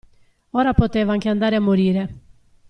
Ora poteva anche andare a morire.